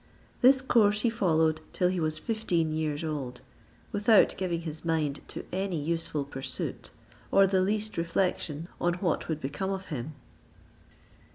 This course he followed till he was fifteen years old, without giving his mind to any useful pursuit, or the least reflection on what would become of him.